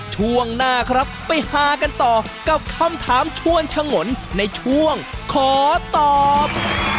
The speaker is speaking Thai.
ช่วงหน้าครับไปหากันต่อกับคำถามชวนฉงนในช่วงขอตอบ